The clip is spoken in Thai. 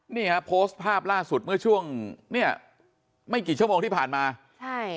นี่ฮะโพสต์ภาพล่าสุดเมื่อช่วงเนี่ยไม่กี่ชั่วโมงที่ผ่านมาใช่